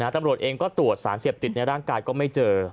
ตำรวจเองก็ตรวจสารเสพติดในร่างกายก็ไม่เจอ